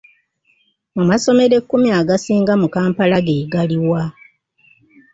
Amasomero ekkumi agasinga mu Kampala ge galiwa?